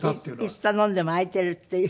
いつ頼んでも空いているっていう。